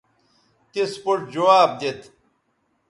تس پوڇ جواب دیت